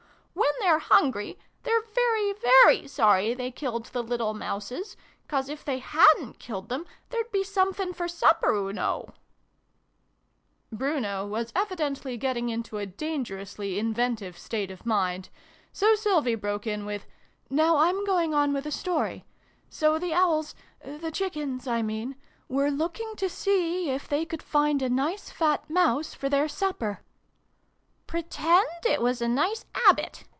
" When they're hungry, they're very, very sorry they killed the little Mouses, 'cause if they hadrtt killed them there'd be sumfin for supper, oo know !" Bruno was evidently getting into a danger ously inventive state of mind, so Sylvie broke in with " Now I'm going on with the story. So the Owls the Chickens, I mean were look ing to see if they could find a nice fat Mouse for their supper " Pretend it was a nice 'abbit